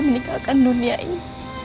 meninggalkan dunia ini